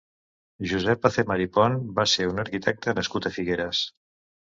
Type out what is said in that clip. Josep Azemar i Pont va ser un arquitecte nascut a Figueres.